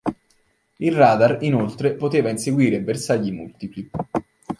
Il radar, inoltre, poteva inseguire bersagli multipli.